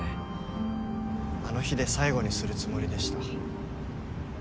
あの日で最後にするつもりでした。